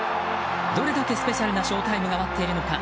どれだけスペシャルなショータイムが待っているのか。